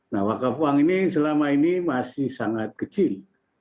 nah wakaf uang ini selama ini masih sangat kecil